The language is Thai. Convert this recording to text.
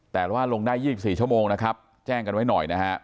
แต่ว่าลงได้๒๔ชั่วโมงนะครับแจ้งกันไว้หน่อยนะฮะ